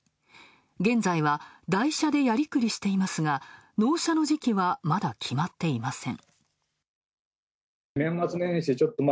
現在は代車でやりくりしていますが、納車の時期は、まだ決まっていません。